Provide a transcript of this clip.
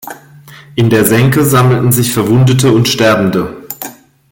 In der Senke sammelten sich Verwundete und Sterbende.